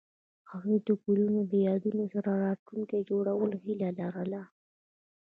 هغوی د ګلونه له یادونو سره راتلونکی جوړولو هیله لرله.